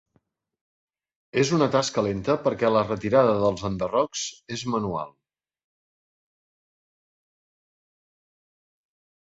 És una tasca lenta perquè la retirada dels enderrocs és manual.